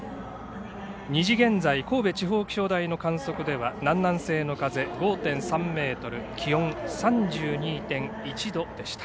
２時現在、神戸地方気象台の観測では南南西の風５．３ｍ気温３２．１度でした。